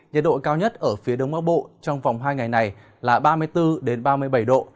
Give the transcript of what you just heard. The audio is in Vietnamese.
nhiệt độ cao nhất ở phía đông bắc bộ trong vòng hai ngày này là ba mươi bốn ba mươi bảy độ